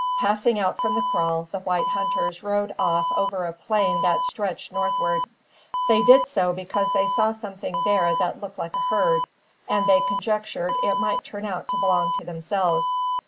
Passing out from the kraal the white hunters rode off over a plain that stretched northward. They did so because they saw something there that looked like a herd; and they conjectured it might turn out to belong to themselves.